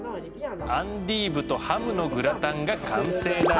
アンディーブとハムのグラタンが完成だ！